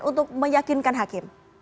untuk meyakinkan hakim